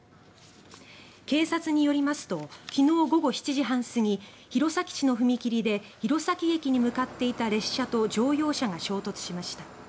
警察によりますと昨日午後７時半過ぎ弘前市の踏切で弘前駅に向かっていた列車と乗用車が衝突しました。